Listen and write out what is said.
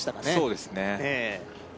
そうですねええ